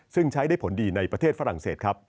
ซึ่งใช้ได้ผลดีในประเทศฝรั่งเศสครับ